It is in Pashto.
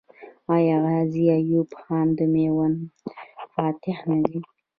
آیا غازي ایوب خان د میوند فاتح نه دی؟